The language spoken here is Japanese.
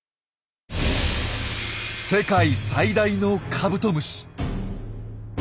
世界最大のカブトムシ。